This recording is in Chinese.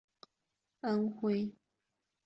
安徽金寨人。